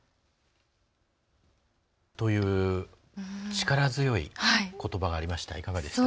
力強いことばがありました。